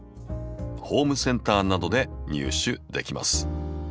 ホームセンターなどで入手できます。